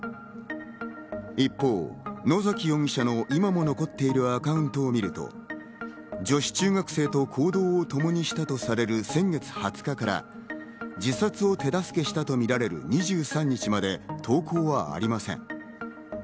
一方、野崎容疑者の今も残っているアカウントを見ると、女子中学生と行動をともにしたとされる先月２０日から自殺を手助けしたとみられる２３日まで投稿はありません。